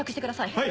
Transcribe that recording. ・はい！